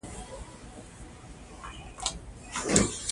د مني د پاڼو رژېدل موږ ته د ژوند د موقتي والي درس راکوي.